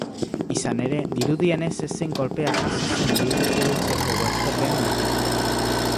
Izan ere, dirudienez ez zen kolpea jazo zen bidegurutzeko stopean gelditu.